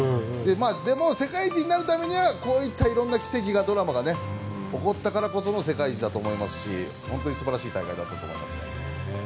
でも、世界一になるためにはこういったいろんな奇跡やドラマが起こったからこその世界一だと思いますし本当に素晴らしい大会だったと思います。